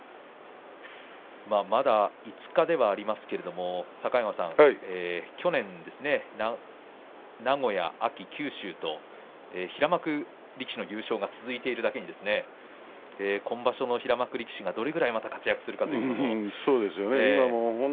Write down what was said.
まだ５日ではありますけれど境川さん、去年ですね名古屋、秋、九州と平幕力士の優勝が続いているだけに今場所の平幕力士がどのぐらい活躍するかということも注目ですね。